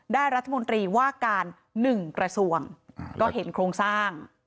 รัฐมนตรีว่าการ๑กระทรวงก็เห็นโครงสร้าง